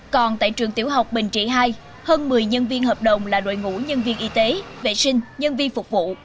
còn tại trường tiểu học bình trị hai hơn một mươi nhân viên hợp đồng là đội ngũ nhân viên y tế vệ sinh nhân viên phục vụ